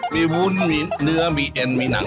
มีวุ้นมีเนื้อมีเอ็นมีหนัง